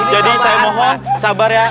jadi saya mohon sabar ya